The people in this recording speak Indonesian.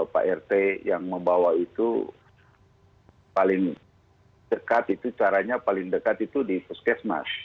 pak rt yang membawa itu paling dekat itu caranya paling dekat itu di puskesmas